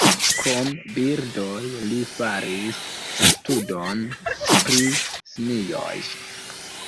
Krom birdoj li faris studon pri simioj.